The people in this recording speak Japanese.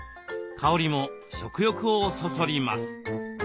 香りも食欲をそそります。